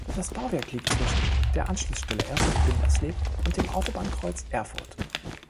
Das Bauwerk liegt zwischen der Anschlussstelle Erfurt-Bindersleben und dem Autobahnkreuz Erfurt.